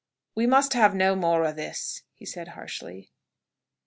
"We must have no more o' this," he said harshly.